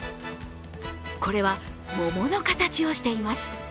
これは桃の形をしています。